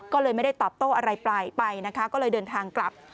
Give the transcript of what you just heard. ก็เลยไม่ได้ตอบโต้อะไรปลายไปนะคะก็เลยเดินทางกลับ